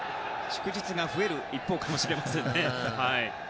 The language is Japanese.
祝日が増える一方かもしれませんね。